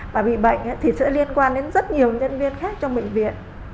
bởi vì bệnh thì sẽ liên quan đến rất nhiều nhân viên khác trong bệnh viện